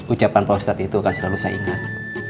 ucapan pak ustadz itu akan selalu saya ingat